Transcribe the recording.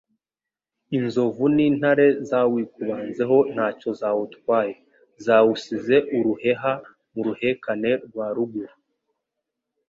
inzovu n'intare zawikubanzeho ntacyo zawutwaye, zawusize uruheha mu ruhekane rwa ruguru,